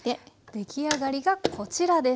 出来上がりがこちらです。